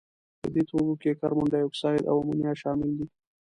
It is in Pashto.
په دې توکو کې کاربن دای اکساید او امونیا شامل دي.